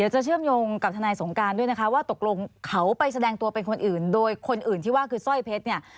จะเชื่อมโยงกับทนายสงการด้วยนะคะว่าตกลงเขาไปแสดงตัวเป็นคนอื่นโดยคนอื่นที่ว่าคือสร้อยเพชรเนี่ย